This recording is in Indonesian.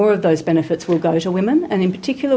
lebih banyak manfaat itu akan menuju kepada perempuan